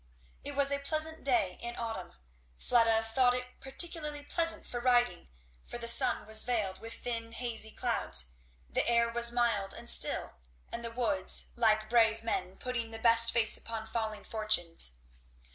It was a pleasant day in autumn. Fleda thought it particularly pleasant for riding, for the sun was veiled with thin hazy clouds. The air was mild and still, and the woods, like brave men, putting the best face upon falling fortunes.